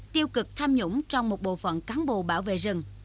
tiêu cực tham nhũng trong một bộ phận cán bộ bảo vệ rừng